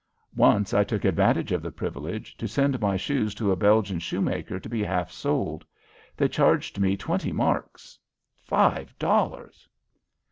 Once I took advantage of the privilege to send my shoes to a Belgian shoemaker to be half soled. They charged me twenty marks five dollars!